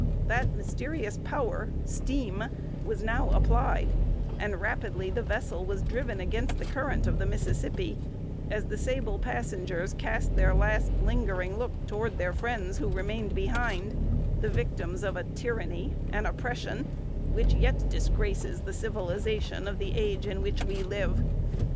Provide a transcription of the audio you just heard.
That mysterious power, steam, was now applied; and rapidly the vessel was driven against the strong current of the Mississippi, as the sable passengers cast their last, lingering look toward their friends who remained behind, the victims of a tyranny an oppression which yet disgraces the civilization of the age in which we live.